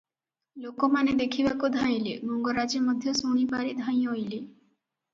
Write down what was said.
ଲୋକମାନେ ଦେଖିବାକୁ ଧାଇଁଲେ, ମଙ୍ଗରାଜେ ମଧ୍ୟ ଶୁଣିପାରି ଧାଇଁଅଇଲେ ।